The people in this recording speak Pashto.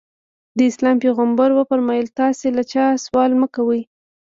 د اسلام پیغمبر وفرمایل تاسې له چا سوال مه کوئ.